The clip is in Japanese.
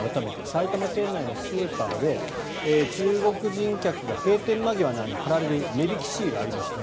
埼玉県内のスーパーで中国人客が、閉店間際に貼られる値引きシールありますね。